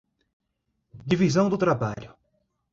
Divisão do trabalho